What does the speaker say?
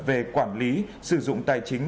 về quản lý sử dụng tài chính